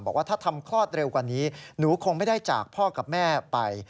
บอกว่าถ้าทำคลอดเร็วกว่านี้หนูคงไม่ได้จากพ่อกับแม่ไป